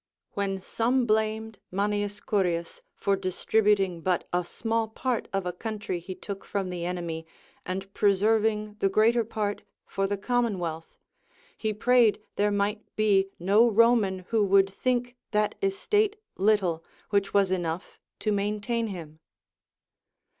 When some blamed M.' Curius for distribut ing but a small part of a country he took from the enemy, and preser\ang the greater part for the commonwealth, he prayed there might be no Roman who Avould think that estate little Avhich was enough to maintain him.